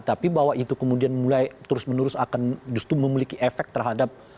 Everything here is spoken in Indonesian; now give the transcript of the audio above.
tapi bahwa itu kemudian mulai terus menerus akan justru memiliki efek terhadap